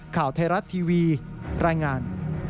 ข่าวไทยรัฐทีวีรายงาน